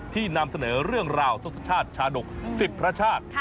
นำเสนอเรื่องราวทศชาติชาดก๑๐พระชาติ